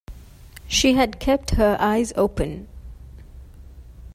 She had kept her eyes open.